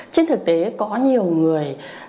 trên thực tế có nhiều người